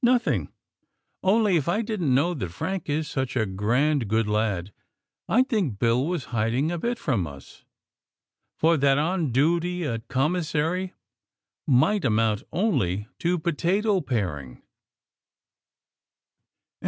"Nothing; only if I didn't know that Frank is such a grand, good lad, I'd think Bill was hiding a bit from us; for that 'on duty at Commissary' might amount only to potato paring!"